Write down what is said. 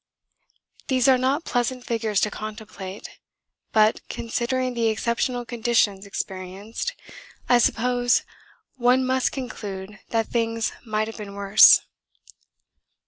These are not pleasant figures to contemplate, but considering the exceptional conditions experienced I suppose one must conclude that things might have been worse.